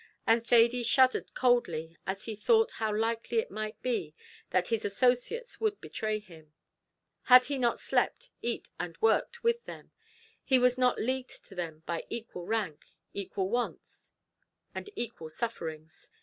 and Thady shuddered coldly as he thought how likely it might be that his associates would betray him. He had not slept, eat, and worked with them he was not leagued to them by equal rank, equal wants, and equal sufferings.